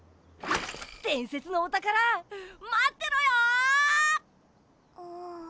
でんせつのおたからまってろよ！